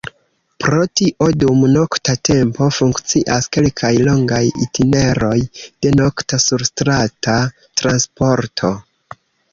Pro tio dum nokta tempo funkcias kelkaj longaj itineroj de nokta surstrata transporto.